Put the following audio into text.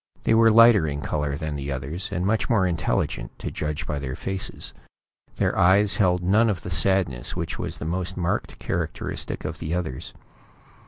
They were lighter in color than the others, and much more intelligent, to judge by their faces. Their eyes held none of the sadness which was the most marked characteristic of the others.